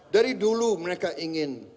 dari dulu mereka ingin